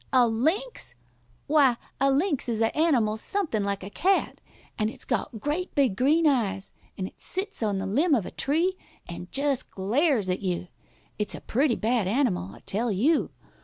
A lynx? Why, a lynx is a animal somethin' like a cat, an' it's got great big green eyes, and it sits on the limb of a tree an' jus' glares at you. It's a pretty bad animal, I tell you.